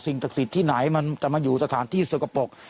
สิ่งศักดิ์สิทธิ์ที่ไหนมันกำลังอยู่สถานที่โซโกะโปรก